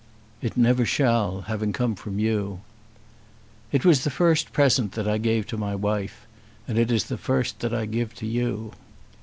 "It never shall, having come from you." "It was the first present that I gave to my wife, and it is the first that I give to you.